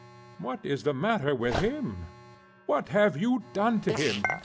"What is the matter with him? What have you done to him?"